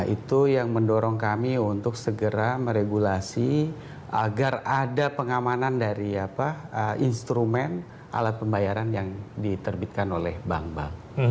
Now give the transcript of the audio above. itu yang mendorong kami untuk segera meregulasi agar ada pengamanan dari instrumen alat pembayaran yang diterbitkan oleh bank bank